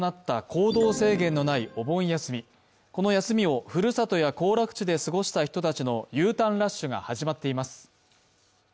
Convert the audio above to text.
この休みをふるさとや行楽地で過ごした人たちのＵターンラッシュが始まっています